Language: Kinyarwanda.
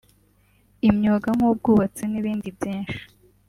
imyuga nk’ubwubatsi n’ibindi byinshi